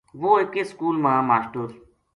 وُہ اِکے سکول ما ماشٹر